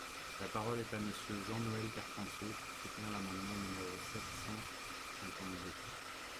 La parole est à Monsieur Jean-Noël Carpentier, pour soutenir l’amendement numéro sept cent cinquante-deux.